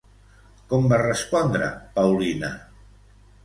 Com va respondre Paulina?